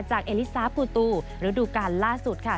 เอลิซาปูตูฤดูการล่าสุดค่ะ